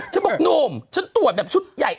ฉันบอกหนุ่มฉันตรวจแบบชุดใหญ่